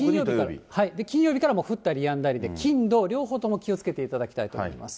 金曜日からもう降ったりやんだりで、金土、両方とも気をつけていただきたいと思います。